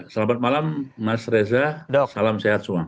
selamat malam mas reza salam sehat semua